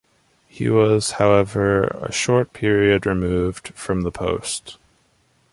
He was, however, after a short period removed from the post.